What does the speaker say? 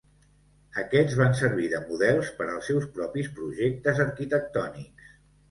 Aquests van servir de models per als seus propis projectes arquitectònics.